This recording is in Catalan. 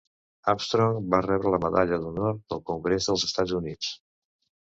Armstrong va rebre la Medalla d'Honor del Congrés dels Estats Units.